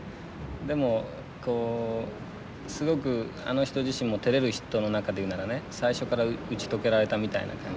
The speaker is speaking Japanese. でもこうすごくあの人自身もてれる人の中でいうならね最初から打ち解けられたみたいな感じ。